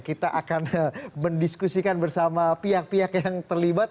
kita akan mendiskusikan bersama pihak pihak yang terlibat